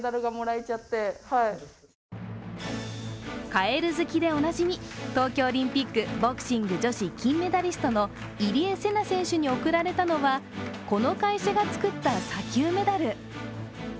かえる好きでおなじみ、東京オリンピック、ボクシング女子金メダリストの入江聖奈選手に贈られたのはこの会社が作った砂丘メダル。